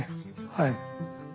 はい。